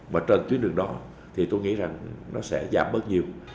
và trên tuyến đường đó thì tôi nghĩ rằng nó sẽ giảm bớt nhiều